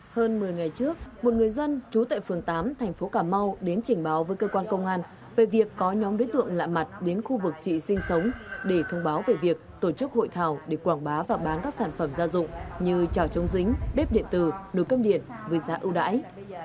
hơn một mươi ngày trước một người dân trú tại phường tám thành phố cà mau đến trình báo với cơ quan công an về việc có nhóm đối tượng lạ mặt đến khu vực chị sinh sống để thông báo về việc tổ chức hội thảo để quảng bá và bán các sản phẩm gia dụng như trào chống dính bếp điện tử đồ cấp điện với giá ưu đãi